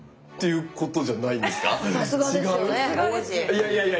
いやいやいや。